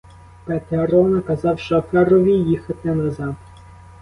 Петро наказав шоферові їхати назад.